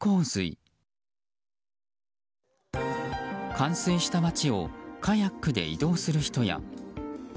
冠水した街をカヤックで移動する人や。